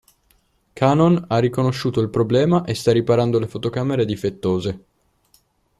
Canon ha riconosciuto il problema e sta riparando le fotocamere difettose.